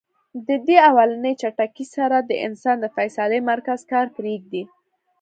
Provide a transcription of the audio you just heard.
د دې اولنۍ جټکې سره د انسان د فېصلې مرکز کار پرېږدي -